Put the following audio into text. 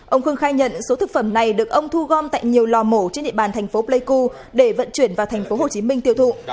ông khương khai nhận số thực phẩm này được ông thu gom tại nhiều lò mổ trên địa bàn thành phố pleiku để vận chuyển vào thành phố hồ chí minh tiêu thụ